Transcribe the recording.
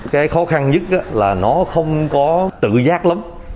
cái khó khăn nhất là nó không có tự giác lắm